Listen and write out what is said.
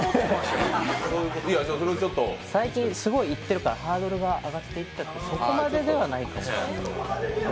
最近すごい言ってるからハードルが上がっていったそこまでではないかもしれない。